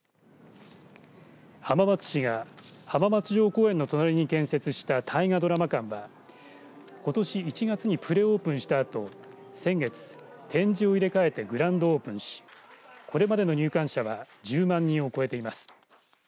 浜松市が浜松城公園の隣に建設した大河ドラマ館はことし１月にプレオープンしたあと先月展示を入れ替えてグランドオープンしこれまでの入館者は１０万人を超えています。